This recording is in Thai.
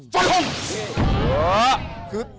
จนพรุ่ง